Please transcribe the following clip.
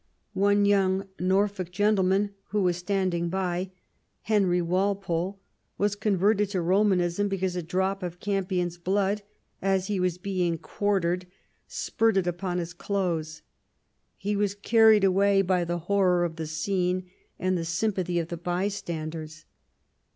One young Norfolk gentleman who was standing by, Henry Walpole, was converted to Romanism because a drop of Campion's blood, as he was being quartered, spirted upon his clothes. He was carried away by the horror of the scene, and the sympathy of the bystanders.